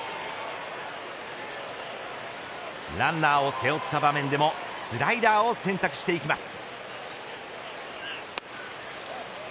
ランナーを背負った場面でもスライダーを選択していきます。